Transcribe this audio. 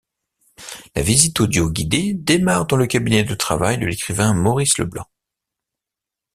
La visite audio guidée démarre dans le cabinet de travail de l’écrivain Maurice Leblanc.